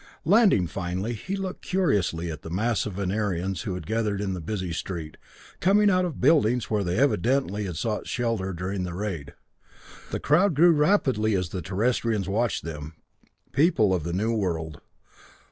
Landing finally, he looked curiously at the mass of Venerians who had gathered in the busy street, coming out of buildings where they evidently had sought shelter during the raid. The crowd grew rapidly as the Terrestrians watched them people of a new world.